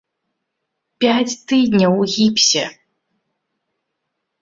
Пяць тыдняў у гіпсе!!!